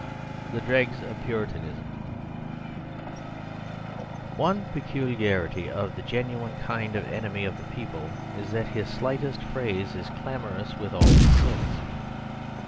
THE DREGS OF PURITANISM One peculiarity of the genuine kind of enemy of the people is that his slightest phrase is clamorous with all his sins.